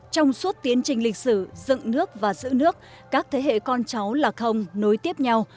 trong suốt tiến trình lịch sử dựng nước và giữ nước các thế hệ con cháu là không nối tiếp nhau